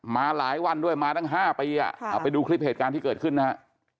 มาหลายวันด้วยมาตั้ง๕ปีเอาไปดูคลิปเหตุการณ์ที่เกิดขึ้นนะฮะ